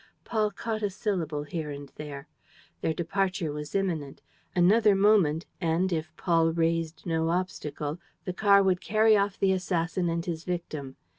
Paul caught a syllable here and there. Their departure was imminent. Another moment and, if Paul raised no obstacle, the car would carry off the assassin and his victim.